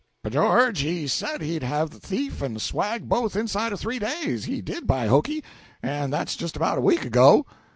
"B'George, he said he'd have thief and swag both inside of three days he did, by hokey! and that's just about a week ago.